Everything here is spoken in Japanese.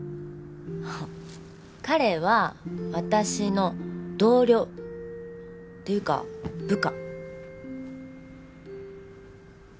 彼は私の同僚。っていうか部下。